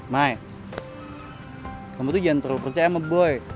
mai kamu tuh jangan terlalu percaya sama boy